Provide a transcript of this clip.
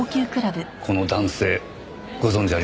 この男性ご存じありませんか？